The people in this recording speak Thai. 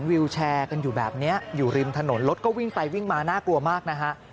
วิวแชร์กันอยู่แบบนี้อยู่ริมถนนรถก็วิ่งไปวิ่งมาน่ากลัวมากนะฮะ